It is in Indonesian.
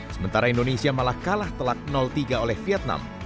sementara indonesia malah kalah telak tiga oleh vietnam